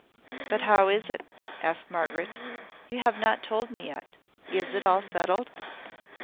"But how is it?" asked Margaret. "You have not told me yet. Is it all settled?"